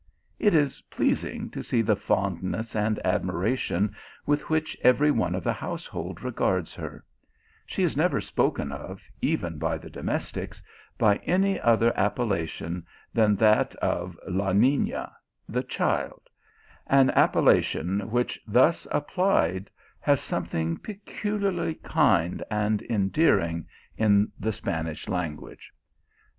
It is pleasing to see the fondness and admiration with which every one of the house hold regards her : she is never spoken of, even by the domestics, by any other appellation than that of La Nina, " the child," an appellation which thus applied has something peculiarly kind and endearing in the Spanish language.